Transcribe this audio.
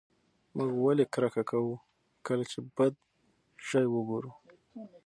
موږ ولې کرکه کوو کله چې بد شی وګورو؟